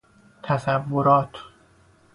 تصورات